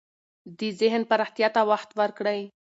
د ذهن پراختیا ته وخت ورکړئ.